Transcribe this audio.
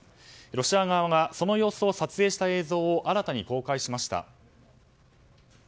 ロシア側がその様子を撮影した映像を新たに公開しました。